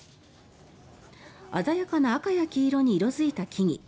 鮮やかな赤や黄色に色付いた木々。